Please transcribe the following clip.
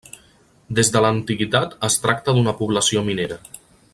Des de l’antiguitat es tracta d’una població minera.